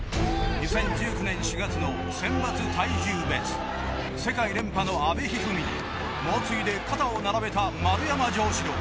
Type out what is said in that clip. ２０１９年４月の選抜体重別世界連覇の阿部一二三猛追で肩を並べた丸山城志郎。